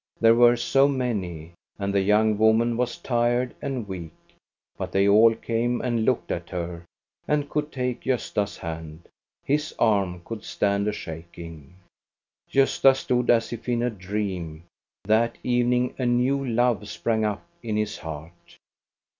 There were so many, and the young woman was tired and weak. But they all came and looked at her, and could take Gosta's hand, — his arm could stand a shaking. Gosta stood as if in a dream. That evening a new love sprang up in his heart.